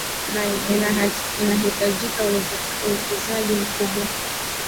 na inahitajika uwekezaji mkubwa